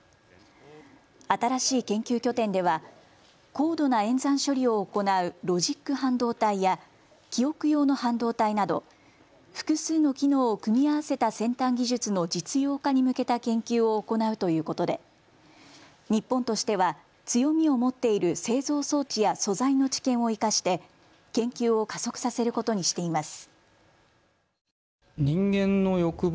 新しい研究拠点では、高度な演算処理を行うロジック半導体や記憶用の半導体など複数の機能を組み合わせた先端技術の実用化に向けた研究を行うということで日本としては強みを持っている製造装置や素材の知見を生かして研究を加速させることにしています。